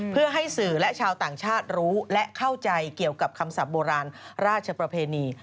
เพื่อให้สื่อและชาวต่างชาติรู้และเข้าใจเกี่ยวกับคำศัพท์โบราณราชประเพณี